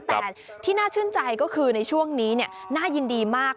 แต่ที่น่าชื่นใจก็คือในช่วงนี้น่ายินดีมาก